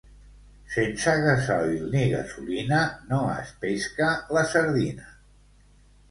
Sense gasoil ni gasolina, no es pesca la sardina.